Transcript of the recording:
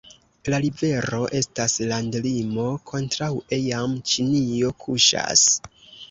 La rivero estas landlimo, kontraŭe jam Ĉinio kuŝas.